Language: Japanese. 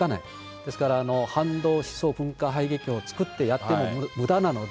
ですから、反動思想文化排撃をやってもむだなので。